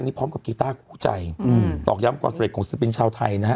นี่พร้อมกับกีตาร์กูใจหืมสวัสดีต่อกย้ำความเสร็จของศิลปินชาวไทยนะฮะ